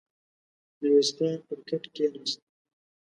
ميرويس خان پر کټ کېناست.